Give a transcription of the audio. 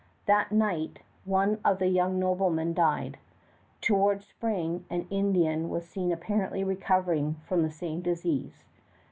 That night one of the young noblemen died. Toward spring an Indian was seen apparently recovering from the same disease.